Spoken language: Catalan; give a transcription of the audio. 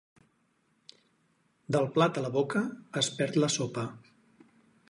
Del plat a la boca es perd la sopa.